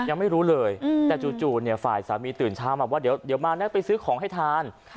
ยังไม่รู้เลยแต่จู่ฝ่ายสามีตื่นเช้ามาว่าเดี๋ยวมานะไปซื้อของให้ทาน